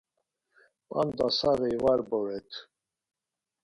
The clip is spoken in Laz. P̌anda saği var boret.